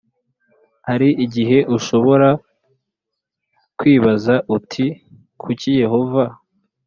Hari igihe ushobora kwibaza uti kuki yehova